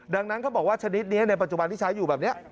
ดังนั้นเขาบอกว่าชนิดนี้ในปัจจุบันที่ใช้อยู่แบบนี้